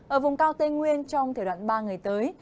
ở vùng cao tây nguyên trong thời đoạn ba ngày tới